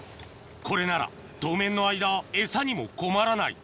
これなら当面の間エサにも困らない